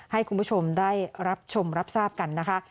ให้คุณผู้ชมได้รับชมรับทราบกันนะคะ